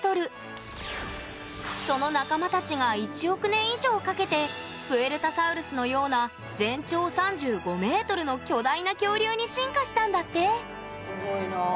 その仲間たちが１億年以上かけてプエルタサウルスのような全長３５ｍの巨大な恐竜に進化したんだって！